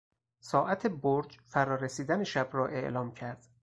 ساعت برج فرا رسیدن شب را اعلام کرد.